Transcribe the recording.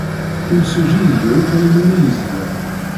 Imsujji iga akk ayen umi yezmer.